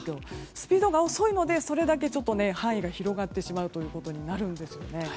スピードが遅いのでそれだけ範囲が広がってしまうことになります。